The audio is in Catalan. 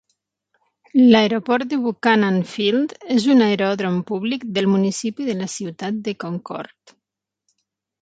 L'aeroport de Buchanan Field és un aeròdrom públic del municipi de la ciutat de Concord.